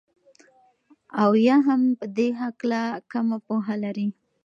او يا هم په دي هكله كمه پوهه لري